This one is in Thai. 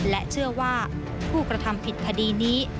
และเชื่อว่าผู้กระทำผิดคดีนี้